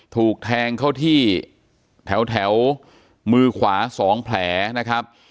ถูกแทงเข้าที่แถวมือขวา๒แผลนะครับ